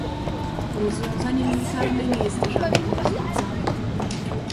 rozwiązanie militarne nie jest żadnym rozwiązaniem